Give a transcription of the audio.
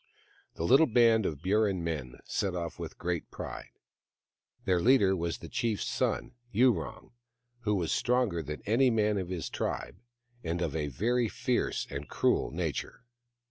The little band of Burrin men set off with great pride. Their leader was the chief's son, Yurong, who was stronger than any man of his tribe, and of a very fierce and cruel nature.